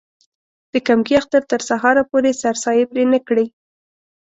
د کمکي اختر تر سهاره پورې سرسایې پرې نه کړي.